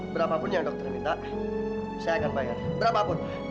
berapapun yang dokter yang minta saya akan bayar berapapun